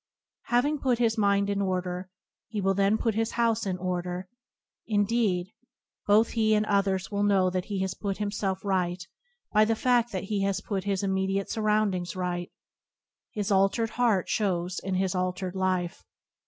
Having put his mind in order, he will then put his house in order; indeed, both he and others will know that he has put himself right by the fadt that he has put his imme diate surroundings right. His altered heart shows in his altered life.